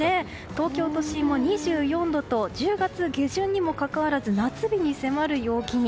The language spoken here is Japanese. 東京都心も２４度と１０月下旬にもかかわらず夏日に迫る陽気に。